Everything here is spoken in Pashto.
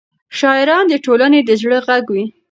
شاعران د ټولنې د زړه غږ وي.